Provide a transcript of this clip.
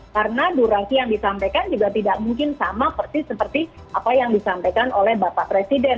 karena durasi yang disampaikan juga tidak mungkin sama persis seperti apa yang disampaikan oleh bapak presiden